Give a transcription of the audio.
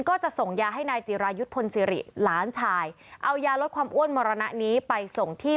ก็จะส่งยาให้นายจิรายุทธ์พลศิริหลานชายเอายาลดความอ้วนมรณะนี้ไปส่งที่